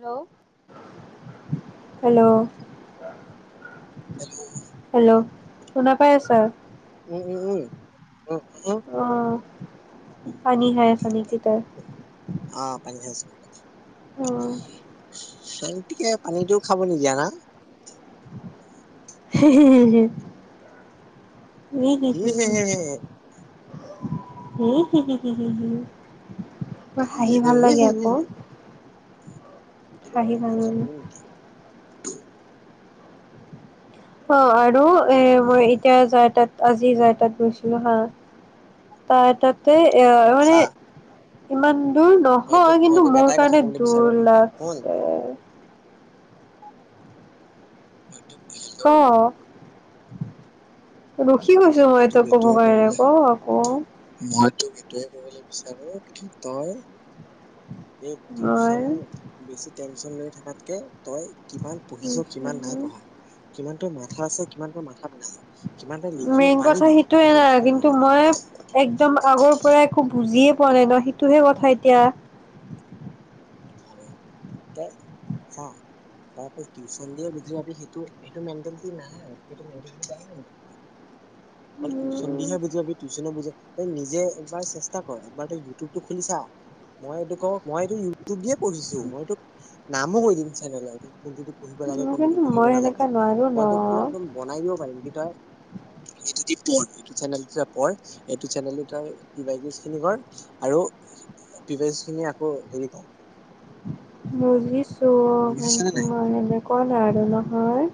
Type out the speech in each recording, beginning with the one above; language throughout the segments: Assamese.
Hello hello. হেল্ল'? হেল্ল' শুনা পাই আছা? উম উম উম। উম উম অ, পানী খাই আছা নে কি কয় অ পানী অ। চিকে পানীটোও খাব নিদিয়া না। হি হি হি হি। কি হি হি হি হি। হি হি হি হি হি। হাঁহি ভাল লাগে আকৌ। ইট হাঁহি পান ভাল খাবে লাগে নেকি? অ আৰু এ মই এতিয়া যাৰ তাত আজি যাৰ তাত গৈছিলো হা, তাৰ তাতে আহ মানে চা ইমান দৰ মই তোক নহয় মই কিন্তু তোক মোৰ এটাই কথা কাৰণে কবলৈ বিচাৰো দৰ শুন লাগছে হয় [inaudible] হেল্ল'? ৰো কি কৈছো মই তোক কব কাৰনে, ক আক। মই তোক সেইটোয়ে কবলৈ বিচাৰো, কি তই এই টিউচন বেছি টেন টিউচন লৈ থকাতকে তই কিমান পঢ়িছ কিমান নাই মই পঢ়া কিমান ত মাথা আছে কিমান ত মা খ নাই কিমান তই লিখিব মেইন কথা পাৰিবি কিমান সেইটোয়ে তই নাই লিখিব কিন্তু নোৱাৰিবি মই একদম আগৰ পৰা একো বুজিয়ে পোৱা নাই ন সেইটোহে কথা এতিয়া তই চা তই অকল টিউন দিয়ে বুজি পাবিেইন উম নিজে তই নিজেবাৰ চো কৰবাৰ তই ইউটিউটো খুলিছা মই এইটো ক মই তিয়ে পঢ়িছো মই তোক নামো কৈ দিম চেনেলৰ ত কোনটোদি পঢ়িব লাগে কোনটো কিন্তু পঢ়িব মই নালাগে সেনেকা নোৱাৰো ন মইতো পুৰা একদম বনাই দিব পাৰিম কি তই এইটো য পঢ় এইটো চেনেল পঢ় এইটো চেনেলিউজ খিনি কৰ আৰু পিজ খিনি আকৌ হেৰি কৰ মগিছ ত বুজিছানে নাই মানে কনে হ ন হয়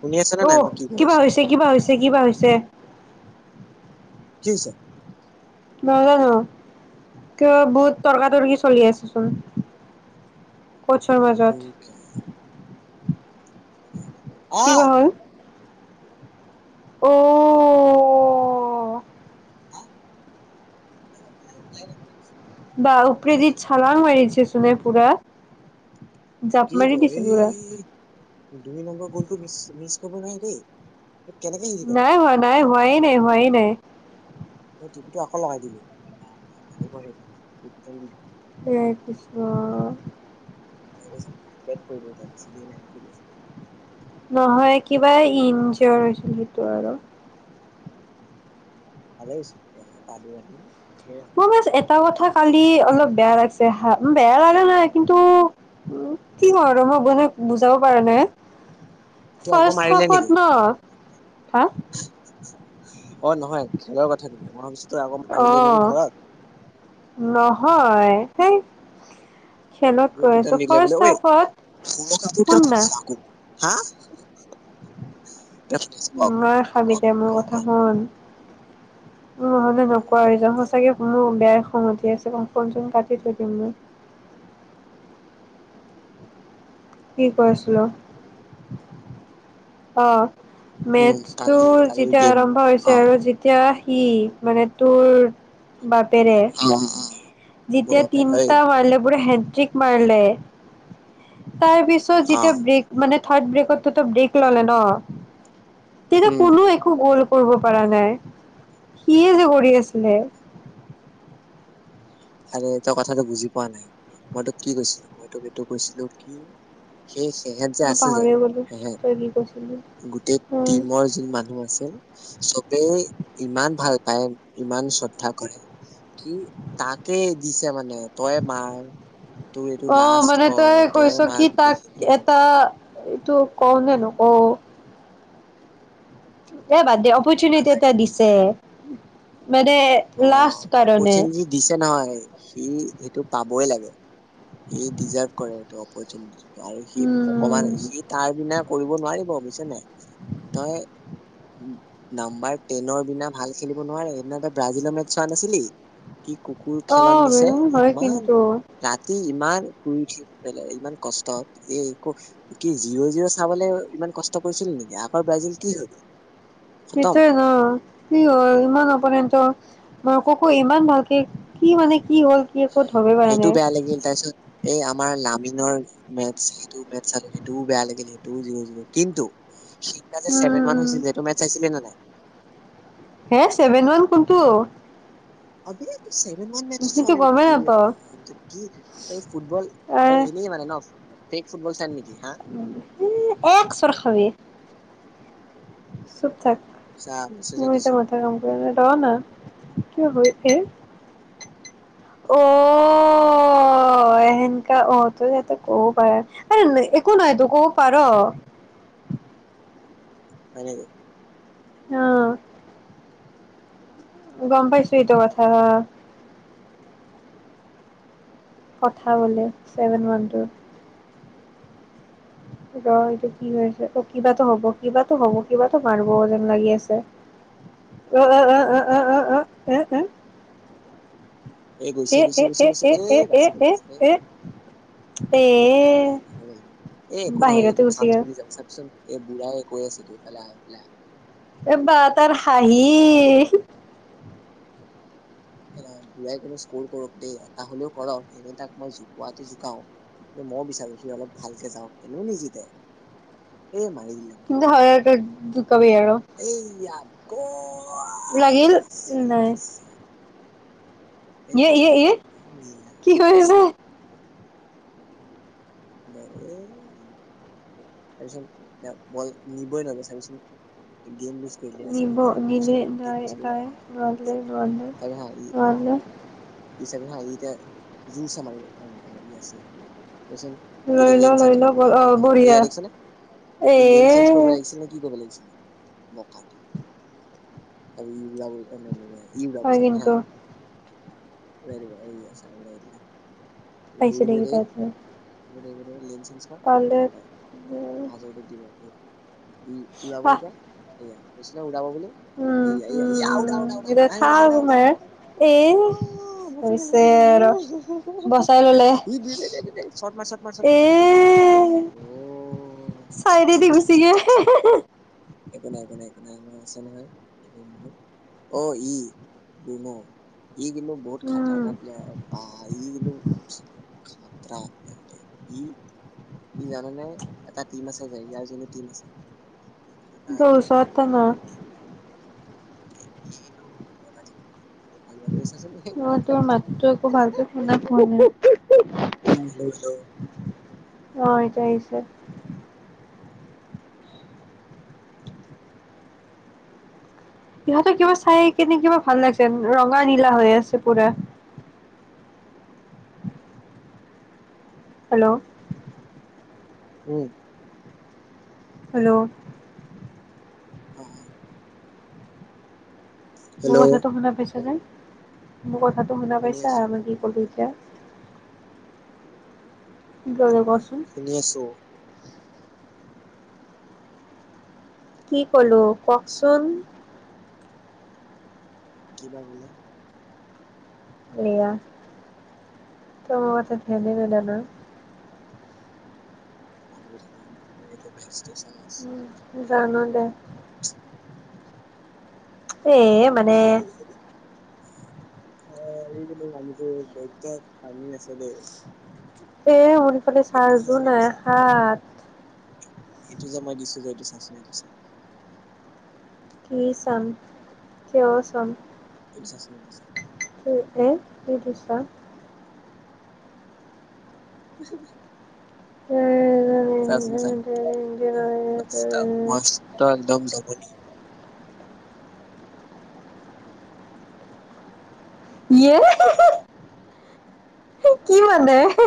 শুনি আছানে অ নাই মই কি কৈ কিবা আছো হৈছে কিবা হৈছে কিবা হৈছে ছে [unintelligible] নাজানো কিয় বহুত তৰ্কা তৰ্কি চলি আছেচোন পথাৰ মাজত অ কিবা হ'ল অঔ হ ল ল বা উপওৰেদি চালাং মাৰিছে চুনে পুৰা জাপ কি মাৰি কয় দিছে এই পুৰা দুই নম্বৰ গ'লটোিছ মিছ তব নাই দেই এই কেনেকে হেৰি কৰে নাই হোৱা নাই হোৱাই নাই হোৱাই নাই ি আকৌ লগাই দিলো মাৰিব সেইকাৰণে বিয় কৃষ্ণা ট প বা দি নহয় কিবা ইনজৰ হৈছিল সেইটো আৰু ভালাই চক্য পালিব মই মছ এটা কথা খালি অলপ বেয়া লাগিছে হা বেয়া লাগা নাই কিন্তু উ কি কওঁ আৰু মই বাক বুজাব পাৰা নাই হ তই আকৌ ফাৰ্ষ মাৰিলে হাফত নেকি ন হা অ নহয় খেলৰ কথা নেকি মই ভাবো অ নহয় হয় সেই খেলত গুৰ গৈ পিটন আছো দিলে বোলে ফাৰ্ষ্ট ঐ হাফত সৰু কাপোৰ কিয় শুননা পিন্ধিছ আকৌ হা কোনে শুনি আছে ক নাই ক ক সমিতাই মোৰ ক ক কথা শুন নহলে নকোৱা হৈজন ক সঁচাকে মোৰ বেয়া খং উঠি আছে, ফোন চোন কাটি থৈ দিম মই। কি কৈ আছিলো? অ। উম মেথছটো কালি কালি যেতিয়া গেম আৰম্ভ হৈছে অ আৰু যেতিয়া কি মানে তোৰ বাপেৰে, অ অ মোৰ যেতিয়া বাপে ঐ তিনিটা হালে বোৰে হে ঠিক মাৰিলে। তাৰ পিছত অ যেতিয়া ব্ৰেক মানে থাৰ্ড ব্ৰেকত ত ত ব্ৰে ক ললে ন তেতিয়া উম কোনো একো গল কৰিব পৰা নাই, সিয়ে যে কৰি আছিলে। আ তই কথাটো বুজি পোৱা নাই, মই তোক কি কৈছিলো, মই তোক এইটো কৈছিলো কি এই সেহঁত যে মই আছে যে পাহৰিয়ে গ'লো সেহত তই কি কৈছিলি গোটেই উম টিমৰ যোন মানুহ আছিল চবে ইমান ভাল পায়, ইমান শ্ৰদ্ধা কৰে কি তাক তেই দিছে মানে তই মাৰ, তোৰ এইটো অ' লাষ্ট মানে হয় তই কৈছ মাৰ কি তাক গোটেইখিনি। এটা এইটো কওঁনে নকওঁ এ বাদ দে অ। অপৰ্চুনিতি এটা নালাগে দিছে। উম [inaudible] অ অপৰচুনিটি দিছে নহয়, সি সেইটো পাবই লাগে। ই ডিজাৰ্ভ কৰে, এইটো অপৰচুনিতিটো। আৰু সি উম, ভগৱান, সি তাৰ বিনা কৰিব নোৱাৰিব বুজিছ নে, তই নাম্বাৰ টেনৰ বিনা ভাল খেলিব নোৱাৰে, সেইদিনা তই ব্ৰাজিলৰ মেট চোৱা নাছিলি? কি কুকুৰ খেলন দিছে, অ' হয় ইমান কিন্তু ৰাতি ইমান ফুৰি উঠি পাই ইমান কষ্ট এ কি জিৰ' জিৰ' চাবলে ইমান কষ্ট কৰিছিল নেকি আকৌ ব্ৰাজিল কি হল ইথে ন কি হল ইমান অপনেণ্ট ত মোকো ইমান ভালকে, কি মানে কি হ'ল, কি ক'ত, ধৰিব পৰা সেইটো নাই। বেয়া লাগিল তাৰপিছত এই আমাৰ লামিনৰ মেটচ, সেইটো মেটচ চালো সেইটোও বেয়া লাগিল, সেইটোও জিৰ জিৰ কিন্তু সিদিনা উম, ছেভেন ৱান উম, হৈছিল সেইটো মেচ চাইছিলে নে নাই। হে ছেভেন ওৱান কোনটো? অতিত ছেভেন মান মেছটো সেইটো চলে নেকি গমেই কি? এ নাপাও। ৰাম তই কি ফুটবল তই এনেই মানে ন ফেক ফটবল চা নিক- উম, এক চৰ খাৱি। চুব থাক, চা মেছেজত মোৰ এতিয়া দিছো মথা কাম কৰি ৰ ন। কিয় হৈ এই অ সেনেকা আহ তই ইতে কব পাৰ একো নহাই তো কব পাৰ। হয় নেকি? আহ গম পাইছো এইটো কথা হ কথা বলে ছেভেন মানথৰ ৰ এইটো কি হৈছে, অ কিবাটো হব কিবা হ'ব কিবা মাৰিব যেন লাগি আছে অ অ অ অ অ এ এ এ গৈছে গৈছে গৈছে গৈছে এ বাচি গল বাচ এ এ নাই হব এ একো নহয় বাহিৰতে এইটো গুচি চানছ গ'ল বুলি যাব চাবিচোন। এই বুঢ়াই কৈ আছেটো ইফালে ইফালে আহ। এ বা তাৰ হাঁহি এ বুঢ়াই কিন্তু স্কৰ কৰক দেই এটা হলেও কৰক এনেই তাক মই জোকুৱাতটো জোকাও কিন্তু মই বিচাৰো সি অলপ ভালকে যাওক এনেও নিজতে। এই মানে কিন্তু হয়াৰটোত দুক এই ইয়া ক ৱা লাগিল বাছিল বাছিল এয় এয় এয় কি কৰিছে? দে দে চাবিচোন এ বল নিবই নোৱাইব চাবিচোন গেম বে- নিব নিলে দায় দায় অ গলদে গলদে চাবি হা ই অ সোমালে ই চাবি হা এতিয়া জোৰ চে মাৰিব নহয় ই আছিল তেছন লৈ ইটো ল লেন লৈ চেঞ্জ ল কৰিব হা হয় অ ঐ নহয় বঢ়িয়া এইয়া দেখিছ নে এ ই লেন চেঞ্জ কৰিব লাগিছিল নে কি কৰিব লাগিছিল। বকাটো, চাবি ই উৰাবই অ নেনেৰাই। ই উৰাব হয় চাবি হা। কিন্তু উৰাই দিব এইয়া ছা উৰাই দিলে। পাইছোঁ দেখি পাত মই গৈ দিয় গৈ দিয় লিঞ্চ [unintelligible] ই উৰাব আহ এটিয়া এইয়া কৈছো নে উৰাব বুলি উম এইয়া উম উম এইয়া আউট উম আউট আউট এতিয়া আউট থাক আউট আউট তোমাৰ এ আউট অ বাচি গ'ল হৈছে বাচি গ'ল আৰু হে হে বচাই স ললে দি চত ম চত ম চত ম এ অফ হ চাইডেদি গুচি গে একো নাই একো নাই একো নাই আমাৰ আছে নহয়, ম অ ই বনো ই বিনু বহুত উম খতৰক বা ই বিনু তে, ই ই জানেনে এটা টিম আছে যে ইয়াৰ যোনটো টিম আছে ই কিন্তু তাৰ দশ আটা ন এই কিন্তু মাজা থ ম তোৰ মাতটো একো ভালকে শুনা পোৱা নাই, হেল্ল' হেল্ল' হেল্ল' অ তাৰপিছত সিহতৰ কিবা চাই কেনে কিবা ভাল লাগছেন, ৰঙা নীলা হৈ আছে পুৰা। হেল্ল'। উম। হেল্ল'? অ। মোৰ হেল্ল' কথাটো শুনা পাইছা যে মোৰ কথা শুনা শুনি পাইছা, আছো মই কি কলো? লে কষ্ট শুনি আছো। কি কলো কওকচোন? কিবা বোলে এয়া তোমাৰ কথা ভেলে বেলা ন টো [inaudible] জানো দে। এ মানে এ এই কিন্তু মানুহটো বৈদ্য ফানি আছে দেই। অ হৰি। এইটো চা চোন এইটো চা। এইটো যে মই দিছো যে এইটো চ খাইছ নে এটো চা। কি চাম? কিয় চাম? [unintelligible] এ কি দিছা [unintelligible] উচো উহ। চা চোন চা, মস্ত মস্ত একদম জমনি। য়ে হেহে হে কি মানে হে?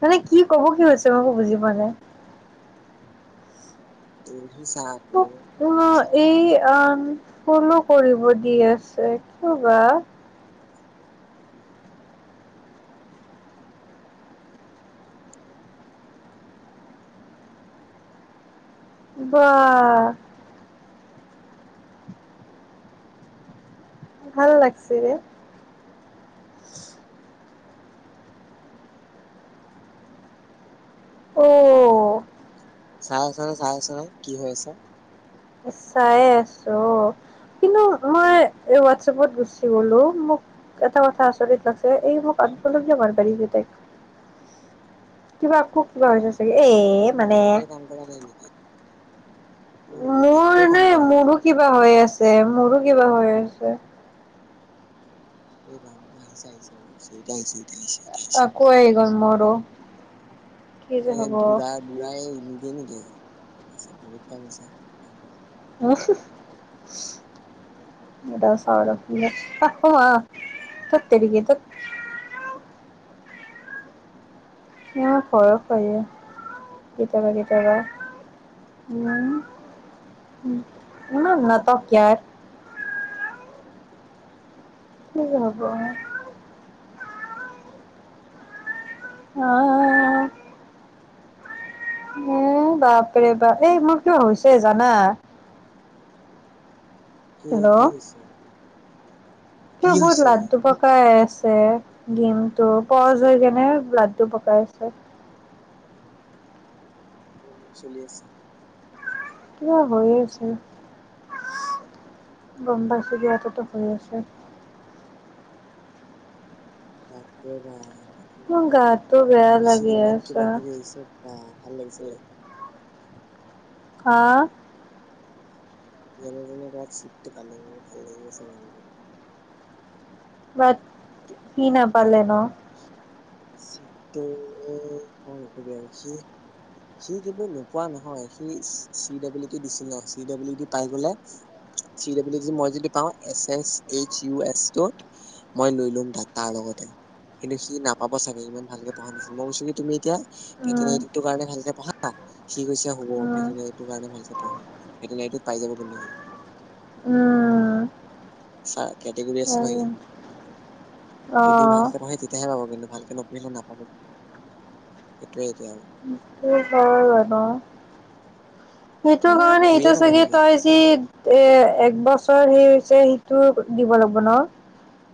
মানে কি কব কি হৈছে মই একো বুজি পোৱা নাই? উম। মোক মোহ এই পাবি। আম। ফল' কৰিব দি আছে, কিয় বা? বা! ভাল লাগছেৰে। অঁ। চাই আছ নাই চাই আছ নাই কি হৈ আছে? চাইয়ে আছো। কিন্তু মই হোৱাটছএপত গুচি গলো, মোক এটা কথা আচৰিত লাগছে। এই মোক আনফল' কিয় মাৰব' দিছে তাইক? কিবা আকৌ কিবা হৈছে চাগে বাপ ৰে এ বাপ, অ মোৰ মানে নেটে কাম কৰা নাই নেকি? ঐ মোৰ নেটটোৱে নে কাম কৰা নাই মোৰো অ। কিবা হৈ আছে, মোৰো কিবা হৈ আছে? তে এই ৰাম আহিছে, আহিছে। আকৌ আহি গ'ল মোৰো কি [unintelligible] যে এই হ'ব বু় বু় এই নিজে ন কেছে [unintelligible] আছে বহুত টাইম আছে। এ চ আহ আহ ততেৰিক [unintelligible] সৰস হয় কেতিয়াবা কেতিয়াবা উম ইমান নাটক ইয়াত। কি যে হ'ব? অ। উম, বাপৰে বাপ এই মোৰ কিয় হৈছে জানা? কি কি হৈছে? ক কি বহুত হৈছে লাডডু পকাই আছ তে গিম টো পজ হৈ কেনে ব্লাডটো পকাই আছে। মোৰ চলি আছে। কিবা হৈয়ে আছে, গম্বা চুবাততো হৈ আছে। বাপৰে বাপ! মোৰ গাটো বেয়া বুঢ়ীচৰ লাগি ইমান কিবা আছে - কিবি হৈছে বা! ভাল লাগিছিলে। আহ। যেনে তেনে গাত শিতটো পালে ভাল লাগি আছে মানে। বাট কি নাপালে? ন ত নকবি আৰু সি সি যদি নোপোৱা নহয়, সি চি ডাব্লিটি দিছিল ন চি ডাব্লিটি পাই গলে চি ডাবলি মই যদি পাওঁ S S H U S মই লৈ লম দাদ তাৰ লগতে কিন্তু সি নাপাব চাগে ইমান ভালকে পঢ়া নাছিল, মই কৈছো কি তুমি এতিয়া উম ভেটেনেৰিৰ কাৰণে ভালকে পঢ়া সি কৈছে হব উম ভেটেনেটোৰ কাৰণে ভালকে পঢ়ো ভেটেনেৰিটোত পাই যাব কিন্তু সি উম কেটেগৰী অ আছে নাকি? যদি ভালকে পঢ়ে তেতিয়া তেতিয়াহে পাব কিন্তু ভালকে নপঢ়িলে নাপাব, কি সেইটোৱে এতিয়া আৰু। কি ক জানো? সেইটো এ কাৰণে শুইয়ে এইটো থাকো চাগে নেকি। তই যি এ এক বছৰ সেই সেইটো দিব লাগিব ন।